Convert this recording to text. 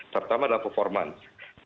terutama dalam performance